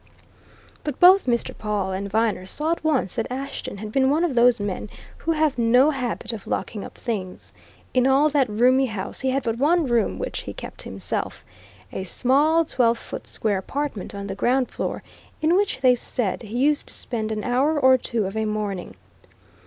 But both Mr. Pawle and Viner saw at once that Ashton had been one of those men who have no habit of locking up things. In all that roomy house he had but one room which he kept to himself a small, twelve foot square apartment on the ground floor, in which, they said, he used to spend an hour or two of a morning.